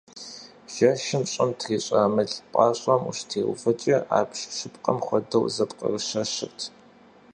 Жэщым щӏым трищӏа мыл пӏащӏэм ущытеувэкӏэ абдж щыпкъэм хуэдэу зэпкъырыщэщырт.